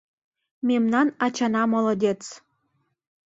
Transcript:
— Мемнан ачана молодец!